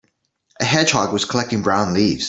A hedgehog was collecting brown leaves.